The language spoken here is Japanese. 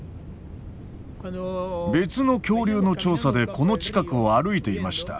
別の恐竜の調査でこの近くを歩いていました。